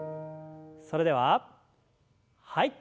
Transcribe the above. それでははい。